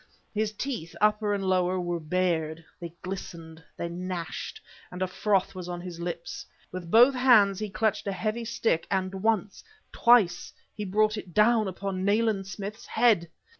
His teeth, upper and lower, were bared; they glistened, they gnashed, and a froth was on his lips. With both his hands, he clutched a heavy stick, and once twice, he brought it down upon Nayland Smith's head!